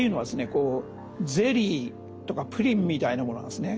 こうゼリーとかプリンみたいなものなんですね。